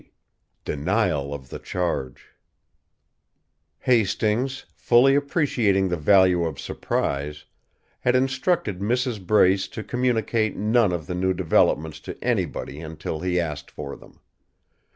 XX DENIAL OF THE CHARGE Hastings, fully appreciating the value of surprise, had instructed Mrs. Brace to communicate none of the new developments to anybody until he asked for them.